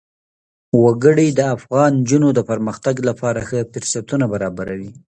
وګړي د افغان نجونو د پرمختګ لپاره ښه فرصتونه برابروي.